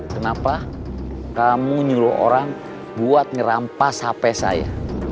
kenapa kamu nyuruh orang buat ngerampas hp saya